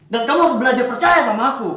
dan kamu harus belajar percaya sama aku